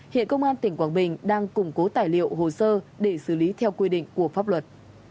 hiện công an tỉnh quảng bình đang củng cố tài liệu hồ sơ để xử lý theo quy định của pháp luật